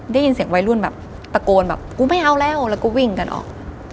ได้ยินเสียงวัยรุ่นแบบตะโกนแบบกูไม่เอาแล้วแล้วก็วิ่งกันออก